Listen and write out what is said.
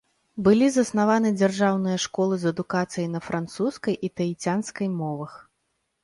Былі заснаваны дзяржаўныя школы з адукацыяй на французскай і таіцянскай мовах.